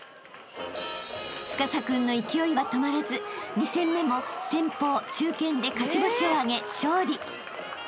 ［司君の勢いは止まらず２戦目も先鋒中堅で勝ち星を挙げ勝利］